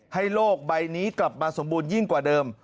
โลกใบนี้กลับมาสมบูรณยิ่งกว่าเดิม